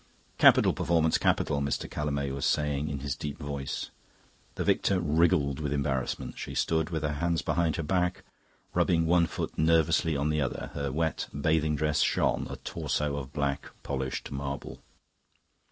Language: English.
"Capital performance, capital," Mr. Callamay was saying in his deep voice. The victor wriggled with embarrassment. She stood with her hands behind her back, rubbing one foot nervously on the other. Her wet bathing dress shone, a torso of black polished marble.